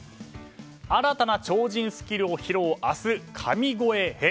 新たな超人スキルを披露明日、神超えへ。